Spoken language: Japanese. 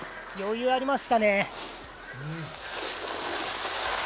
余裕がありましたね。